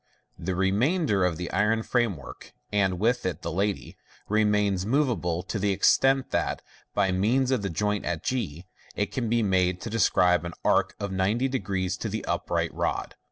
The remainder of the iron framework (and with it the lady) remains moveable, to the extent that, by means of the joint at g, it can be made to describe an arc of 900 to the upright rod.